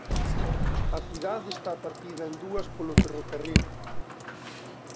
A cidade está partida en dúas polo ferrocarril.